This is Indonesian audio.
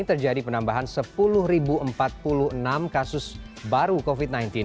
terjadi penambahan sepuluh empat puluh enam kasus baru covid sembilan belas